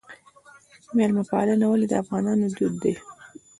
میلمه پالنه ولې د افغانانو دود دی؟